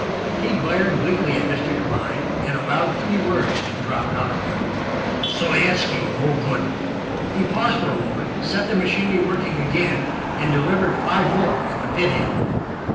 He glared bleakly at Mr. Devine, and allowed three words to drop out of him. "Sovietski no good!" He paused for a moment, set the machinery working again, and delivered five more at the pithead.